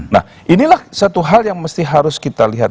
nah inilah satu hal yang mesti harus kita lihat